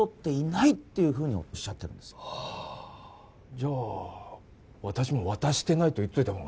じゃあ私も渡してないと言っといた方が？